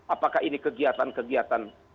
apakah ini kegiatan kegiatan